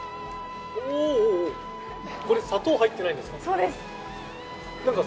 これ、砂糖入ってないですか？